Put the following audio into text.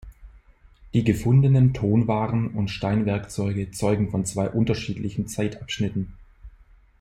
Die gefundenen Tonwaren und Steinwerkzeuge zeugen von zwei unterschiedlichen Zeitabschnitten.